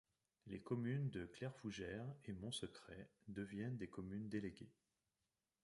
Les communes de Clairefougère et Montsecret deviennent des communes déléguées.